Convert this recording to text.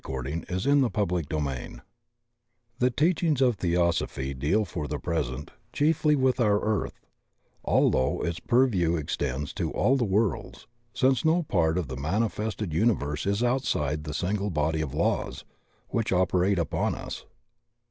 CHAPTER II THE teachings of Theosophy deal for the present chiefly with our earth, although its purview ex tends to all the worlds, since no part of the mani fested universe is outside the single body of laws which operate upon us.